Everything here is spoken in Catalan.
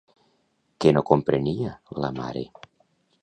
Què no comprenia, la mare?